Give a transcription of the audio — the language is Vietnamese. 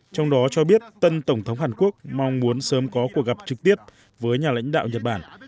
trong đó cho biết tân tổng thống hàn quốc mong muốn sớm có cuộc gặp trực tiếp với nhà lãnh đạo nhật bản